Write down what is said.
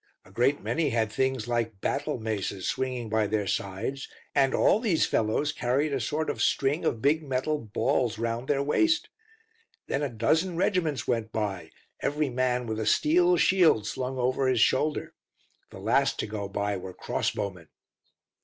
A great many had things like battle maces swinging by their sides, and all these fellows carried a sort of string of big metal balls round their waist. Then a dozen regiments went by, every man with a steel shield slung over his shoulder. The last to go by were cross bowmen."